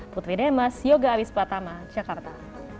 putri demas yoga abis patama jakarta